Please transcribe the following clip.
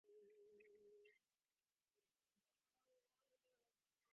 މަންމައަށް އެހާ ބޮޑު ހިތްދަތިކަމެއް ދޭކަށް އޭނާ އެއްގޮތަކަށްވެސް ބޭނުމެއް ނުވެ